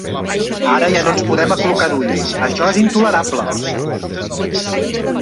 Ara ja no ens podem aclucar d'ulls: això és intolerable!